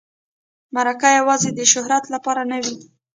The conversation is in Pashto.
مرکه یوازې د شهرت لپاره نه وي.